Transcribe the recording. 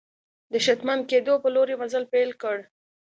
د شتمن کېدو په لور یې مزل پیل کړ.